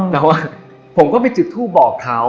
แต่ว่าผมก็ไปจุดทูปบอกเขา